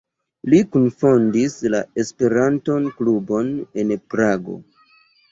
Li kunfondis la Esperanto-klubon en Prago.